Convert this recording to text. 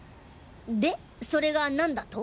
でそれが何だと？